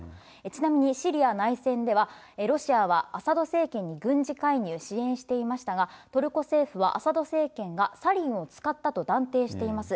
ちなみにシリア内戦では、ロシアはアサド政権に軍事介入、支援していましたが、トルコ政府はアサド政権がサリンを使ったと断定しています。